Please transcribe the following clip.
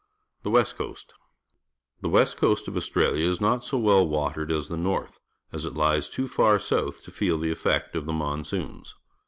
The West Coast. — The west coast of Australia is not so well watered as the north, as it lies too far south to feel the effect of the monsoons.